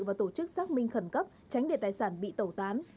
và tổ chức xác minh khẩn cấp tránh để tài sản bị tẩu tán